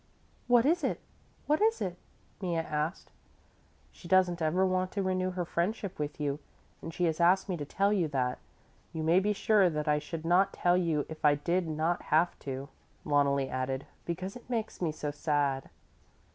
"What is it? What is it?" Mea asked. "She doesn't ever want to renew her friendship with you and she has asked me to tell you that. You may be sure that I should not tell you if I did not have to," Loneli added, "because it makes me so sad."